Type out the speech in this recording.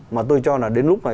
mà tôi cho là đến lúc này